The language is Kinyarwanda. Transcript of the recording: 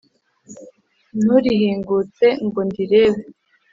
nturihingutse ngo ndirebe